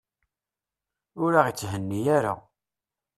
Ur aɣ-itthenni ara.